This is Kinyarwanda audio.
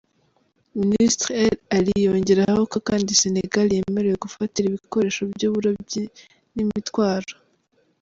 Minisitiri El-Ali yongeraho ko kandi Sénégal yemerewe gufatira ibikoresho by’uburobyi n’imitwaro.